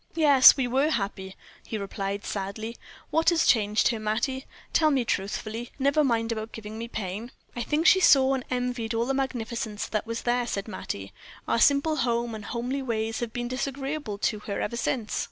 "Yes, we were happy," he replied sadly. "What has changed her, Mattie? Tell me truthfully; never mind about giving me pain." "I think she saw and envied all the magnificence that was there," said Mattie; "our simple home and homely ways have been disagreeable to her ever since."